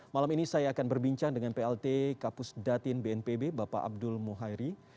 malam ini saya akan berbincang dengan plt kapus datin bnpb bapak abdul muhairi